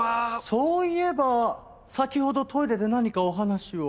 そういえば先ほどトイレで何かお話を。